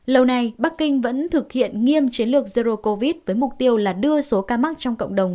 lâu nay bắc kinh vẫn thực hiện nghiêm chiến lược zero covid với mục tiêu là đưa số ca mắc trong cộng đồng